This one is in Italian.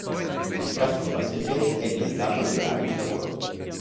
Il traffico passeggeri è limitato agli orari di lavoro.